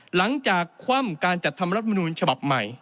หลังจากความการจัดทำรัฐมนตราฉบับใหม่